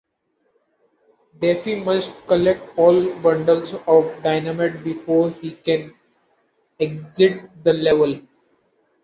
Daffy must collect all bundles of dynamite before he can exit the level.